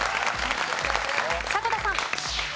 迫田さん。